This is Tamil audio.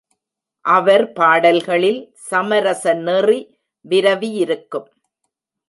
அவர் பாடல்களில் சமரசநெறி விரவியிருக்கும்.